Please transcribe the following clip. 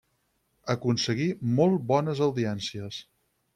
Aconseguí molt bones audiències.